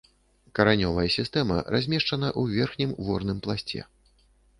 Каранёвая сістэма размешчана ў верхнім ворным пласце.